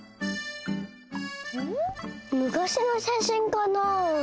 ん？むかしのしゃしんかなあ？